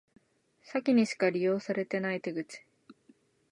詐欺にしか利用されてない手口